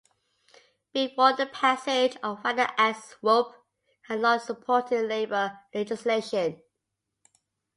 Before the passage of the Wagner Act, Swope had long supported labor legislation.